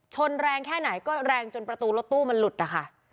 แรงแค่ไหนก็แรงจนประตูรถตู้มันหลุดนะคะ